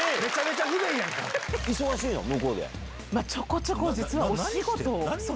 ちょこちょこ実はお仕事を。